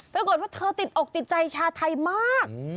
ปรากฏว่าเธอติดอกติดใจชาวไทยมาก